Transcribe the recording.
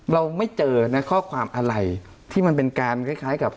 เราไม่เจอนะข้อความอะไรที่มันเป็นการคล้ายกับ